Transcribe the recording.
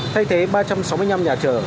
thay thế ba trăm sáu mươi năm nhà trở